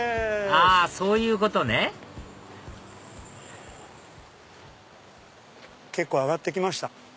あそういうことね結構上がって来ました。